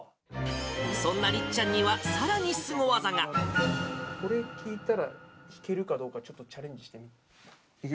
そんなりっちゃんには、これ聴いたら、弾けるかどうかちょっとチャレンジしてみて。